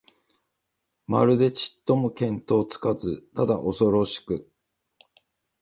まるでちっとも見当つかず、ただおそろしく、